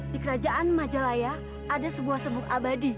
di kerajaan majalaya ada sebuah sebuk abadi